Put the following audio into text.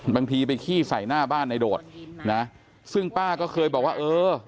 บางทีไปขี้ใส่หน้าบ้านในโดดนะซึ่งป้าก็เคยบอกว่าเออ